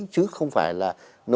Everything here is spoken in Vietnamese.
chứ không phải là